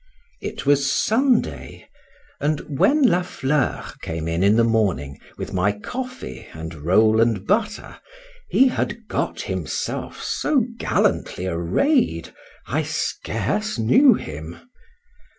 IT was Sunday; and when La Fleur came in, in the morning, with my coffee and roll and butter, he had got himself so gallantly array'd, I scarce knew him.